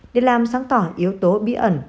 để làm sáng tỏ yếu tố bí ẩn